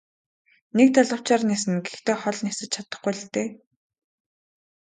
Нэг далавчаар ниснэ гэхдээ хол нисэж чадахгүй л дээ.